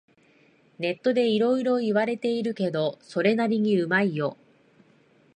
ネットでいろいろ言われてるけど、それなりにうまいよ